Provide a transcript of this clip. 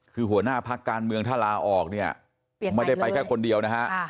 คือหัวหน้าพรรคการเมืองถ้าลาออกเนี่ยเปลี่ยนใหม่เลยไม่ได้ไปแค่คนเดียวนะฮะค่ะ